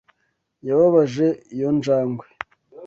Yababaje iyo njangwe? (